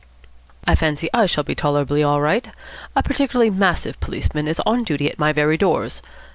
"I fancy I shall be tolerably all right. A particularly massive policeman is on duty at my very doors.